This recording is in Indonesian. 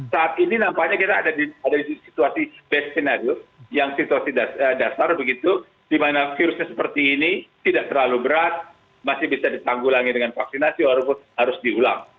saat ini nampaknya kita ada di situasi best skenario yang situasi dasar begitu di mana virusnya seperti ini tidak terlalu berat masih bisa ditanggulangi dengan vaksinasi walaupun harus diulang